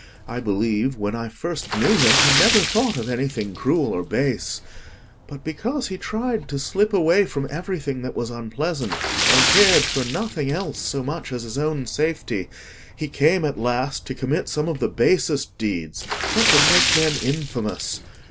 I believe, when I first knew him, he never thought of anything cruel or base. But because he tried to slip away from everything that was unpleasant, and cared for nothing else so much as his own safety, he came at last to commit some of the basest deeds—such as make men infamous.